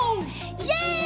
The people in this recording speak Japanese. イエイ！